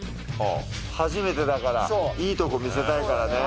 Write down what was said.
初めてだからいいとこ見せたいからね。